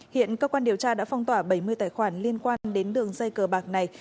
hiện cơ quan điều tra đã phong tỏa bảy mươi tài khoản liên quan đến đường dây cờ bạc này